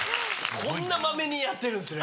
こんなまめにやってるんですね。